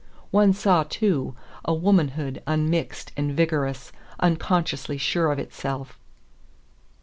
One saw, too, a womanhood unmixed and vigorous, unconsciously sure of itself.